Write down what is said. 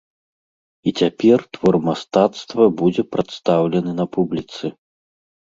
І цяпер твор мастацтва будзе прадстаўлены на публіцы.